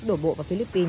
đổ bộ vào philippines